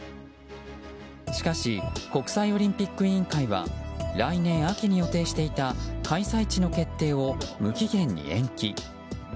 しかし国際オリンピック委員会は来年秋に予定していた開催地の決定を無期限に延期。